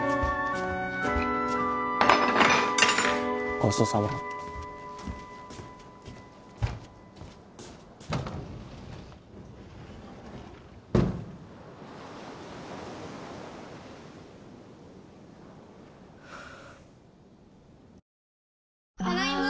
ごちそうさまはあ